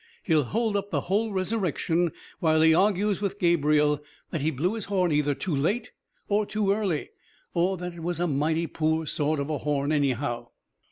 He'll hold up the whole resurrection while he argues with Gabriel that he blew his horn either too late or too early, or that it was a mighty poor sort of a horn anyhow."